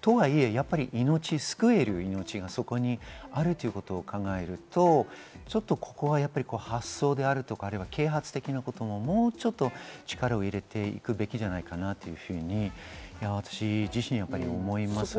とはいえ救える命がそこにあるということを考えると、ここは発想だとか啓発的なことももうちょっと力を入れていくべきじゃないかなと私自身思います。